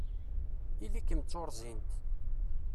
Ili-kem d tuṛẓint!